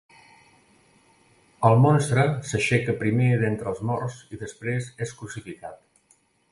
El monstre s"aixeca primer d"entre els morts i després és crucificat.